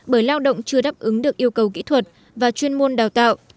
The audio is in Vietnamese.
bởi lao động chưa đáp ứng được yêu cầu kỹ thuật và chuyên môn đào tạo